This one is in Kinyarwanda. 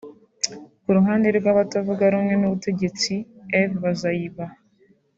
Ku ruhande rw’abatavugarumwe n’ubutegetsi Eve Bazaïba